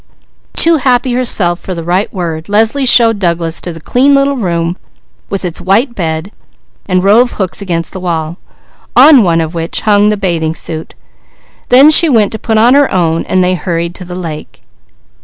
Too happy herself for the right word, Leslie showed Douglas to his room, with its white bed, and row of hooks, on one of which hung the bathing suit; then she went to put on her own, and they hurried to the lake.